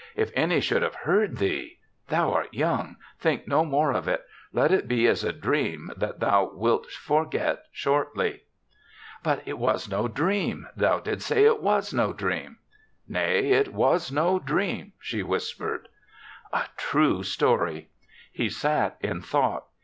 If any should have heard thee —— Thou art young. Think no more of it. Let it be as a dream that thou wilt for get shortly.'^ But it was no dream. Thou didst say it was no dream." " Nay, it was no dream," she whis pered. A true story! He sat in thought.